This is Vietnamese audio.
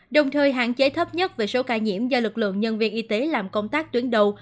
đồng thời hạn chế thấp nhất về số ca nhiễm do lực lượng nhân viên y tế làm công tác tuyến đầu